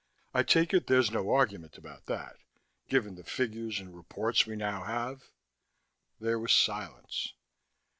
I take it there's no argument about that given the figures and reports we now have?" There was silence.